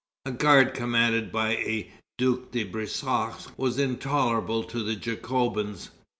A guard commanded by a Duke de Brissac was intolerable to the Jacobins.